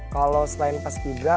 kalau selain paskibra